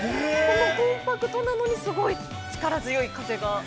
コンパクトなのに、すごい、力強い風が。